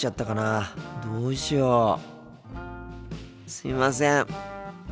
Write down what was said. すいません。